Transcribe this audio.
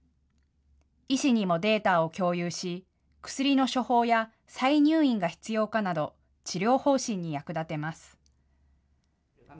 医師にもデータを共有し薬の処方や再入院が必要かなど治療方針に役立てます。